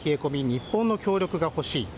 日本の協力が欲しい。